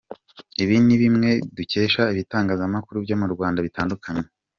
Ibi ni bimwe dukesha ibitangazamakuru byo mu Rwanda bitandukanye.